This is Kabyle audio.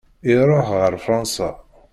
Iruḥ ɣer Fransa.